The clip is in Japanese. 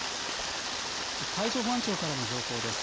海上保安庁からの情報です。